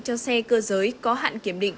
cho xe cơ giới có hạn kiểm định